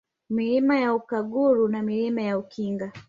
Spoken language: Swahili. Milima ya Ukaguru na Milima ya Ukinga